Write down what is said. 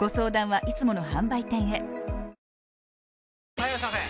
・はいいらっしゃいませ！